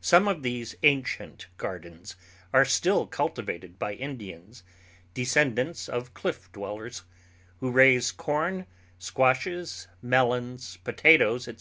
Some of these ancient gardens are still cultivated by Indians, descendants of cliff dwellers, who raise corn, squashes, melons, potatoes, etc.